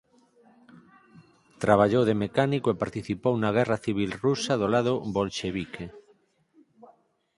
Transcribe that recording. Traballou de mecánico e participou na guerra civil rusa do lado bolxevique.